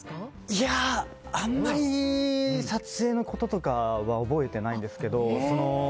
いやあんまり撮影のこととかは覚えてないんですけど。